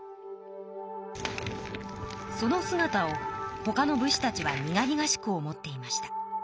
そのすがたをほかの武士たちは苦々しく思っていました。